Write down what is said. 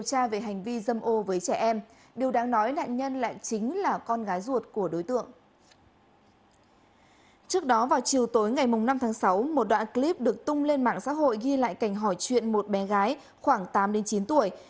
trước đó vào chiều tối ngày năm tháng sáu một đoạn clip được tung lên mạng xã hội ghi lại cảnh hỏi chuyện một bé gái khoảng tám chín tuổi